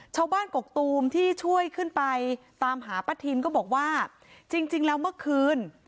ชาวบ้านกกตูมที่ช่วยขึ้นไปตามหาปะทินก็บอกว่าจริงจริงแล้วเมื่อคืน